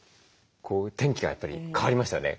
天気がやっぱり変わりましたよね。